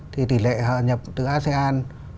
thì tỷ lệ nhập từ asean